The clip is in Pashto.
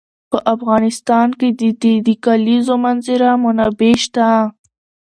په افغانستان کې د د کلیزو منظره منابع شته.